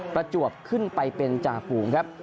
ประจวบขึ้นไปเป็นจ่าฝูงครับ